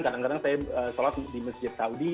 kadang kadang saya sholat di masjid saudi